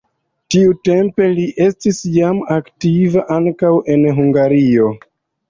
Tiutempe li estis jam aktiva ankaŭ en Hungario.